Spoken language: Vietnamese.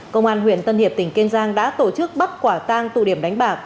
công an huyện tân hiệp tỉnh kiên giang đã tổ chức bắt quả tang tụ điểm đánh bạc